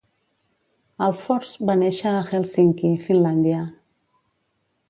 Ahlfors va néixer a Hèlsinki, Finlàndia.